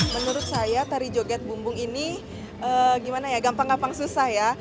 menurut saya tari joget bumbung ini gimana ya gampang gampang susah ya